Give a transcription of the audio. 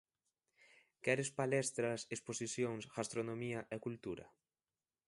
Queres palestras, exposicións, gastronomía e cultura?